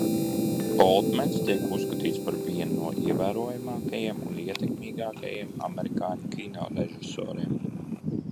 Oltmens tiek uzskatīts par vienu no ievērojamākajiem un ietekmīgākajiem amerikāņu kinorežisoriem.